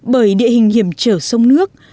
bởi địa hình hiểm trở sông nước